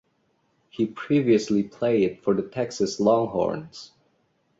He previously played for the Texas Longhorns.